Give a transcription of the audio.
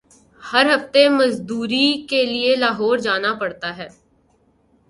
ہر ہفتے مزدوری کیلئے لاہور جانا پڑتا ہے۔